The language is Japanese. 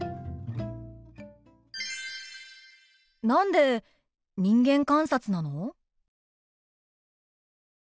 何で人間観察なの？